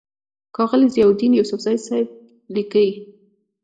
ښاغلے ضياءالدين يوسفزۍ صېب ليکي: